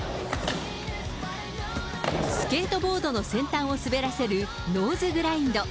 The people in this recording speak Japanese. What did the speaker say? スケートボードの先端を滑らせるノーズグラインド。